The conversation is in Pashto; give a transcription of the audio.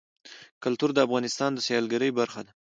کلتور د افغانستان د سیلګرۍ برخه ده.